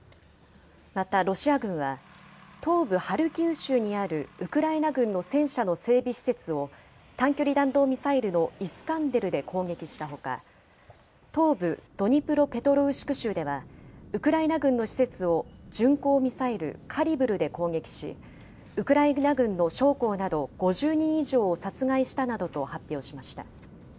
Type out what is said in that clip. またロシア軍は、東部ハルキウ州にあるウクライナ軍の戦車の整備施設を、短距離弾道ミサイルのイスカンデルで攻撃したほか、東部ドニプロペトロウシク州では、ウクライナ軍の施設を巡航ミサイル、カリブルで攻撃し、ウクライナ軍の将校など５０人以上を殺害したなどと発表しました。